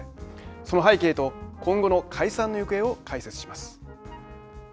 その背景と今後の解散の行方を解説します。